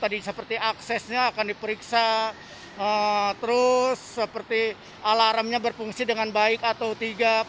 diperiksa terus seperti alarmnya berfungsi dengan baik atau tidak